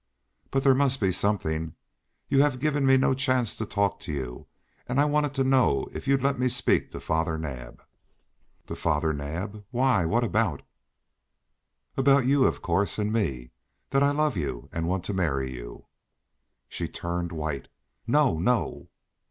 "But there must be something. You have given me no chance to talk to you, and I wanted to know if you'd let me speak to Father Naab." "To Father Naab? Why what about?" "About you, of course and me that I love you and want to marry you." She turned white. "No no!"